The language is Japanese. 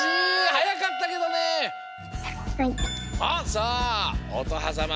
さあおとはさま